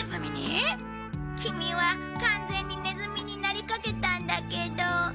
キミは完全にネズミになりかけたんだけど。